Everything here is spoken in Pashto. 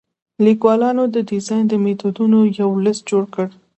لیکوالانو د ډیزاین میتودونو یو لیست جوړ کړی.